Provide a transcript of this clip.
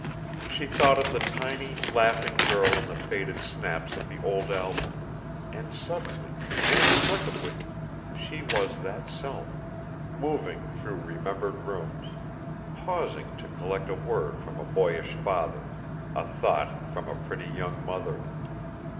She thought of the tiny, laughing girl in the faded snaps of the old album and suddenly, inexplicably, she was that self, moving through remembered rooms, pausing to collect a word from a boyish father, a thought from a pretty young mother.